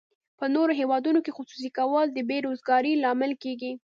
په نورو هیوادونو کې خصوصي کول د بې روزګارۍ لامل کیږي.